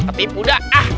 ketipu dah ah